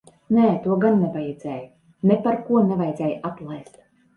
Nē, to gan nevajadzēja. Neparko nevajadzēja atlaist.